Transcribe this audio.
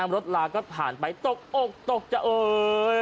รถลาก็ผ่านไปตกอกตกจะเอ่ย